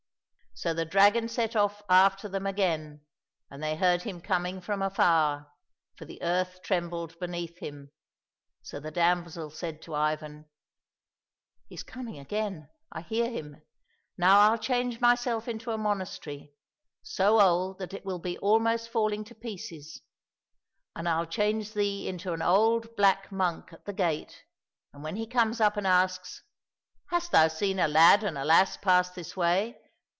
So the dragon set off after them again, and they heard him coming from afar, for the earth trembled beneath him, so the damsel said to Ivan, " He's coming again, I hear him ; now I'll change myself into a monastery, so old that it will be almost falling to pieces, and I'll change thee into an old black monk at the gate, and when he comes up and asks, ' Hast thou seen a lad and a lass pass this way